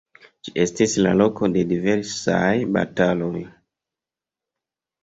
Ĝi estis la loko de diversaj bataloj.